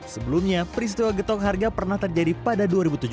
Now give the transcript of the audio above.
sebelumnya peristiwa getok harga pernah terjadi pada dua ribu tujuh belas